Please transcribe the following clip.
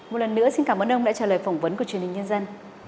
một lần nữa xin cảm ơn ông đã trả lời phỏng vấn của truyền hình nhân dân